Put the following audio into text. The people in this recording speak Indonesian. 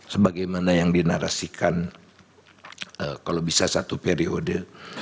sebagaimana yang dinarasikan kalau bisa satu periode